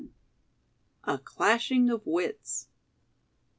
A CLASHING OF WITS.